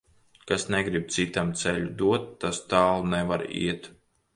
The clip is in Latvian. Kas negrib citam ceļu dot, tas tālu nevar iet.